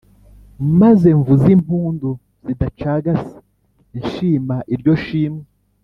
Maze mvuze impundu zidacagase nshima iryo shimwe.